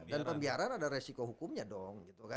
dan pembiaran ada resiko hukumnya dong